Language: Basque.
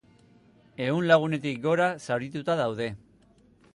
Ehun lagunetik gora zaurituta daude.